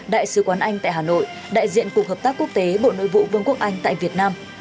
đại sứ quán anh tại hà nội đại diện cục hợp tác quốc tế bộ nội vụ vương quốc anh tại việt nam